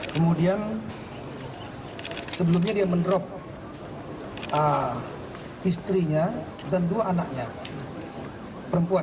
kemudian sebelumnya dia menerop istrinya dan dua anaknya perempuan